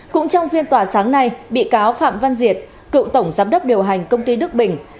cũng trong phiên tòa sáng nay bị cáo phạm văn diệt cựu tổng giám đốc điều hành công ty đức bình